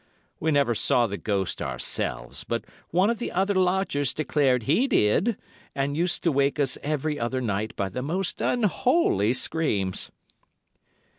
We never saw the ghost ourselves, but one of the other lodgers declared he did, and used to wake us every other night by the most unholy screams.